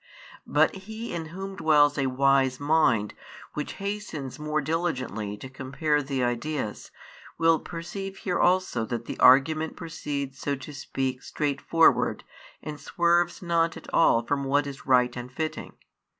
But he in whom dwells a wise mind, which hastens more diligently to compare the ideas, will perceive here also that the argument proceeds so to speak straight forward, and swerves not at all from what is right and fitting.